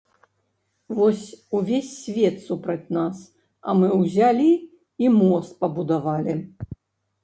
Вось увесь свет супраць нас, а мы ўзялі і мост пабудавалі.